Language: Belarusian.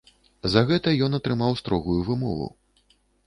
За гэта ён атрымаў строгую вымову.